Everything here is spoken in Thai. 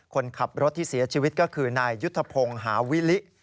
คนขับรถที่เสียชีวิตก็คือนายยุทธพงศ์หาวิลิ